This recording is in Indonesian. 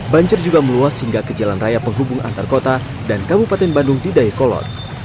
banjir juga meluas hingga ke jalan raya penghubung antar kota dan kabupaten bandung di dayakolot